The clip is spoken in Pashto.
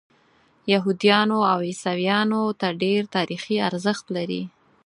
یهودیانو او عیسویانو ته ډېر تاریخي ارزښت لري.